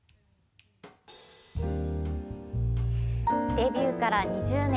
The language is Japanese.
デビューから２０年。